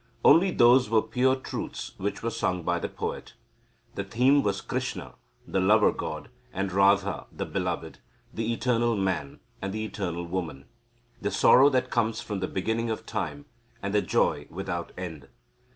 Only those were pure truths which were sung by the poet. The theme was Krishna, the lover god, and Radha, the beloved, the Eternal Man and the Eternal Woman, the sorrow that comes from the beginning of time, and the joy without end.